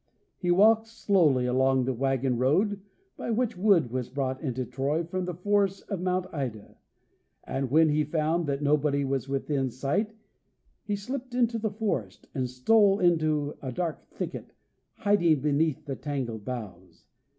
He walked slowly along the waggon road by which wood was brought into Troy from the forests on Mount Ida, and when he found that nobody was within sight he slipped into the forest, and stole into a dark thicket, hiding beneath the tangled boughs.